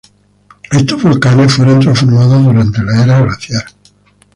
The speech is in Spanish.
Estos volcanes fueron transformados durante la era glaciar.